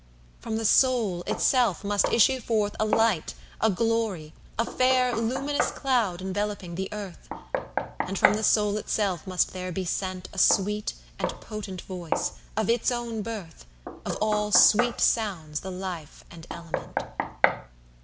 from the soul itself must issue forthA light, a glory, a fair luminous cloudEnveloping the Earth—And from the soul itself must there be sentA sweet and potent voice, of its own birth, Of all sweet sounds the life and element!